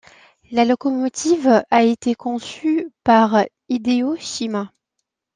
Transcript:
La locomotive a été conçue par Hideo Shima.